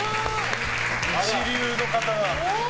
一流の方が。